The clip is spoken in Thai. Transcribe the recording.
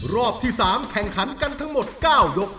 รอบที่๓แข่งขันกันทั้งหมด๙ยก